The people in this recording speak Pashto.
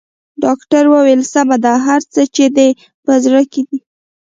ډاکټر وويل سمه ده هر څه چې دې په زړه کې دي.